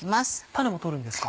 種も取るんですか。